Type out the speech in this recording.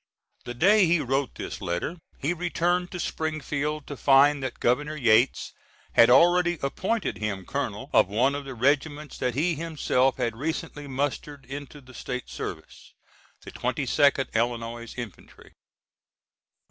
The day he wrote this letter he returned to Springfield to find that Governor Yates had already appointed him colonel of one of the regiments that he himself had recently mustered into the State service, the 22d Illinois infantry.